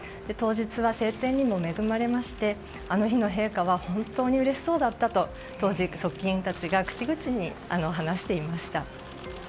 当日は晴天にも恵まれましてあの日の陛下は本当にうれしそうだったと当時、側近たちが口々に話していました。